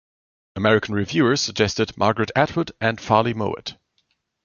American reviewers suggested Margaret Atwood, and Farley Mowat.